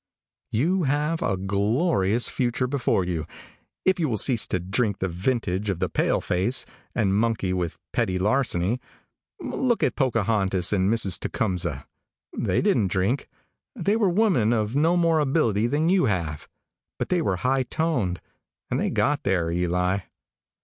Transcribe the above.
You have a glorious future before you, if you will cease to drink the vintage of the pale face, and monkey with petty larceny. Look at Pocahontas and Mrs. Tecumseh. They didn't drink. They were women of no more ability than you have, but they were high toned, and they got there, Eli.